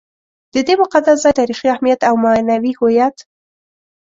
د دې مقدس ځای تاریخي اهمیت او معنوي هویت.